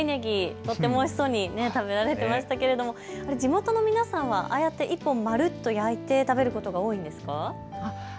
そして海水ねぎ、とってもおいしそうに食べられていましたけれど地元の皆さんはああやって１本まるっと焼いて食べることが多いんですか。